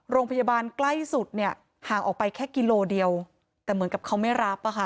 โรงพยาบาลใกล้สุดเนี่ยห่างออกไปแค่กิโลเดียวแต่เหมือนกับเขาไม่รับอ่ะค่ะ